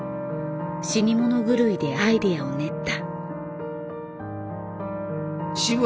死に物狂いでアイデアを練った。